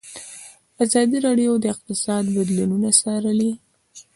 ازادي راډیو د اقتصاد بدلونونه څارلي.